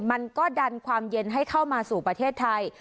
มันก็ดันความเย็นให้เข้ามาสู่ประเทศไทย